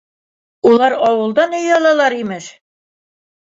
Улар ауылдан ой алалар, имеш.